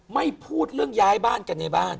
ไม่พูดเรื่องย้ายบ้านกันในบ้าน